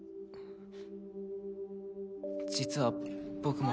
実は僕も。